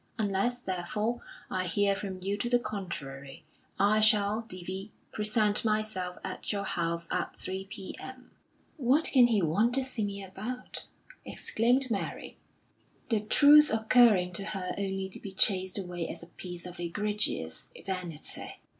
Unless, therefore, I hear from you to the contrary, I shall (D.V.) present myself at your house at 3 P.M." "What can he want to see me about?" exclaimed Mary, the truth occurring to her only to be chased away as a piece of egregious vanity.